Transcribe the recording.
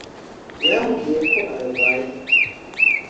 yambwiye ko arwaye